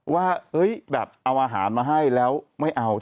ว่าแบบเอาอาหารมาให้แล้วไม่เอา